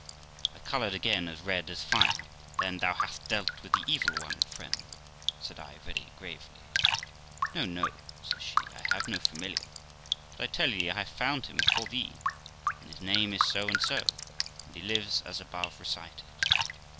I coloured again as red as fire. ' Then thou hast dealt with the evil one, friend ', said I very gravely. 'No, no', says she, 'I have no familiar; but I tell thee I have found him for thee, and his name is So and so, and he lives as above recited.'